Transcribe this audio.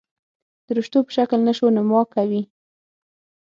درشتو په شکل نشونما کوي.